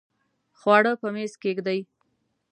خواړه په میز کښېږدئ